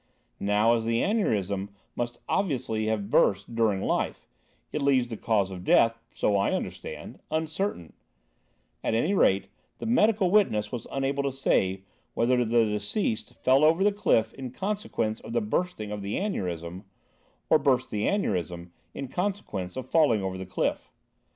Now, as the aneurism must obviously have burst during life, it leaves the cause of death—so I understand—uncertain; at any rate, the medical witness was unable to say whether the deceased fell over the cliff in consequence of the bursting of the aneurism or burst the aneurism in consequence of falling over the cliff.